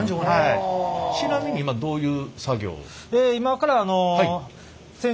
ちなみに今どういう作業を？